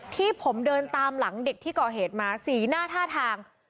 ที่ผมเดินตามหลังเด็กที่ก่อเหตุมาสีหน้าท่าทาง